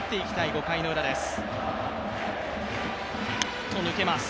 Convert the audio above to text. ５回のウラです。